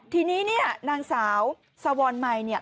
ทีนี้เนี่ยนางสาวสวรรค์ใหม่เนี่ย